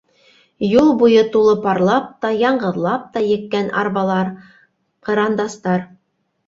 Юл буйы тулы парлап та, яңғыҙлап та еккән арбалар, кырандастар.